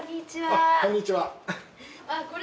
あこんにちは。